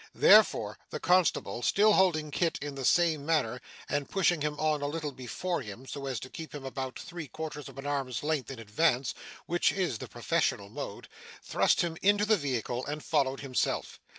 Therefore, the constable, still holding Kit in the same manner, and pushing him on a little before him, so as to keep him at about three quarters of an arm's length in advance (which is the professional mode), thrust him into the vehicle and followed himself.